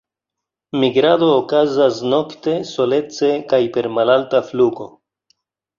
Migrado okazas nokte, solece kaj per malalta flugo.